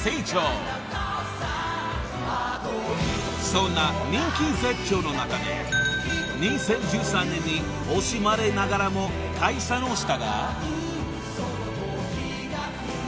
［そんな人気絶頂の中で２０１３年に惜しまれながらも解散をしたが］